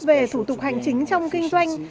về thủ tục hành chính trong kinh doanh